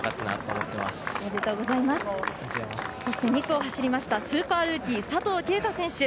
そして２区を走りましたスーパールーキー佐藤圭汰選手